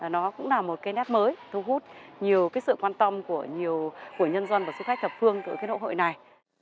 nó cũng là một cái nét mới thu hút nhiều sự quan tâm của nhân dân và xuất khách thập phương của lễ hội này